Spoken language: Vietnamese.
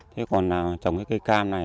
thế còn là trồng cái cây cam này